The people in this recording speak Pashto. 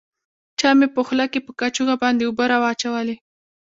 چا مې په خوله کښې په کاشوغه باندې اوبه راواچولې.